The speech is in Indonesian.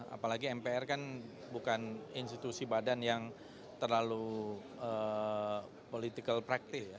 apalagi mpr kan bukan institusi badan yang terlalu politikal praktik